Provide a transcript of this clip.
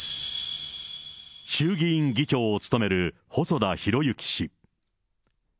衆議院議長を務める細田博之氏。